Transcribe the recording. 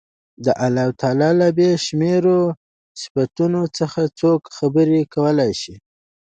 د الله تعالی له بې شمېرو صفتونو څخه څوک خبرې کولای شي.